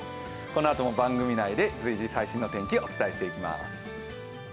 このあとも番組内で、随時最新の天気お伝えしていきます。